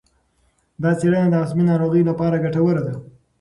دا څېړنه د عصبي ناروغیو لپاره ګټوره ده.